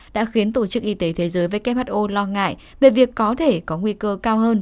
đã khiến tổ chức y tế thế giới who lo ngại về việc có thể có nguy cơ cao hơn